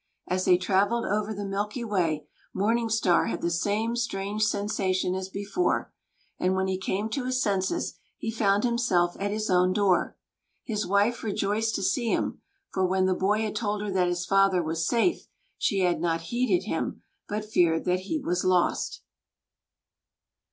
As they travelled over the Milky Way, Morning Star had the same strange sensation as before, and when he came to his senses, he found himself at his own door. His wife rejoiced to see him; for when the boy had told her that his father was safe, she had not heeded him, but feared that he was lost.